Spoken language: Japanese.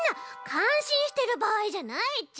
かんしんしてるばあいじゃないち。